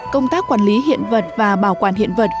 công tác quản lý hiện vật và bảo quản hiện vật